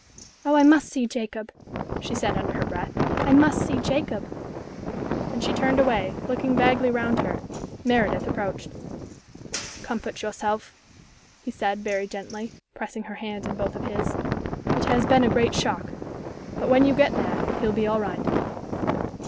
"Oh, I must see Jacob!" she said, under her breath "I must see Jacob!" And she turned away, looking vaguely round her. Meredith approached. "Comfort yourself," he said, very gently, pressing her hand in both of his. "It has been a great shock, but when you get there he'll be all right."